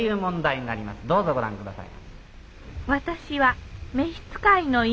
どうぞご覧下さい。